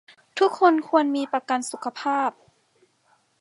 ทุกคนควรมีประกันสุขภาพ